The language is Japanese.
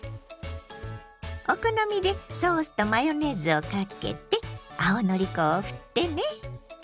お好みでソースとマヨネーズをかけて青のり粉をふってね！